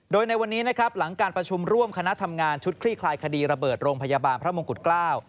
โดยในวันนี้นะครับหลังการประชุมร่วมคณะทำงานชุดคลี่คลายคดีระเบิดโรงพยาบาลพระมงกุฎเกล้า